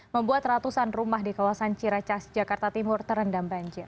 membuat ratusan rumah di kawasan ciracas jakarta timur terendam banjir